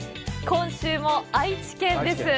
今週も愛知県です。